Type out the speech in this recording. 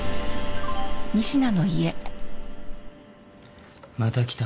また来たね。